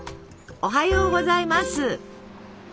おはようございます。